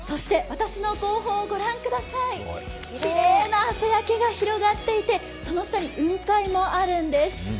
私の後方を御覧ください、きれいな朝焼けが広がっていて、その下に雲海もあるんです。